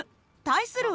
対する